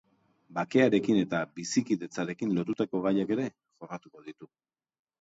Bakearekin eta bizikidetzarekin lotutako gaiak ere jorratuko ditu.